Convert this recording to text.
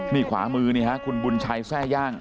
นี่ขวามือนี่ฮะคุณบุญชัยแทร่ย่าง